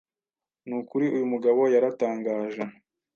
nukuri uyumugabo yaratangaje